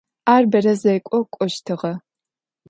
Ар бэрэ зекӏо кӏощтыгъэ.